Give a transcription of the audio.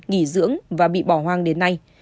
nghỉ dưỡng và bị bỏ hoang đến nay